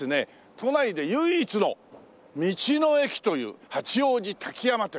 都内で唯一の道の駅という八王子滝山という。